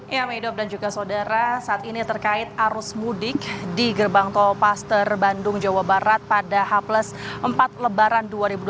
ya medok dan juga saudara saat ini terkait arus mudik di gerbang tol paster bandung jawa barat pada h empat lebaran dua ribu dua puluh